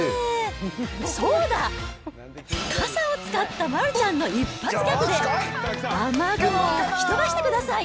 そうだ、傘を使った丸ちゃんの一発ギャグで、雨雲を吹き飛ばしてください。